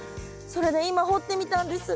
それで今掘ってみたんです。